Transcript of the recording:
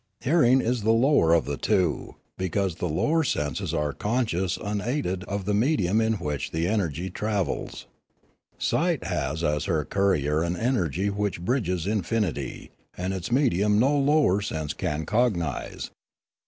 Hearing is the lower of the two, because the lower senses are conscious unaided of the medium in which the energy travels. Sight has as her courier an energy which bridges infinity, and its medium no lower sense can cognise.